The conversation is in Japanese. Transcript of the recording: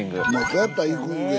それやったら行くんで。